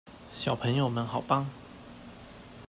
小朋友們好棒！